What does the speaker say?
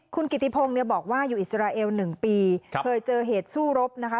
คุณกิติพงศ์เนี่ยบอกว่าอยู่อิสราเอล๑ปีเคยเจอเหตุสู้รบนะคะ